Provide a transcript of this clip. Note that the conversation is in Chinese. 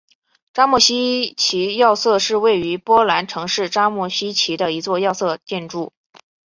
扎莫希奇要塞是位于波兰城市扎莫希奇的一座要塞建筑。